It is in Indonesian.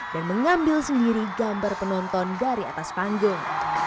dan mengambil sendiri gambar penonton dari atas panggung